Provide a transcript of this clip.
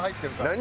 何？